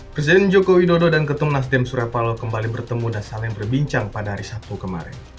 presiden joko widodo dan ketum nasdem surya paloh kembali bertemu dan saling berbincang pada hari sabtu kemarin